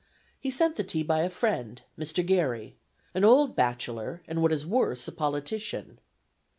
He sent the tea by a friend, Mr. Garry, "an old bachelor, and what is worse a politician."